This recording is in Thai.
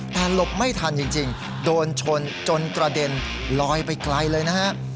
แต่หลบไม่ทันจริงโดนชนจนกระเด็นลอยไปไกลเลยนะฮะ